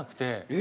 え？